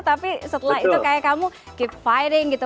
tapi setelah itu kayak kamu keep fighting gitu